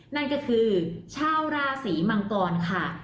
นั่นก็คือชาวราศรีมังกรค่ะ